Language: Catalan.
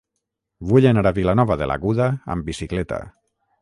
Vull anar a Vilanova de l'Aguda amb bicicleta.